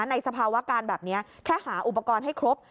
สภาวะการแบบนี้แค่หาอุปกรณ์ให้ครบ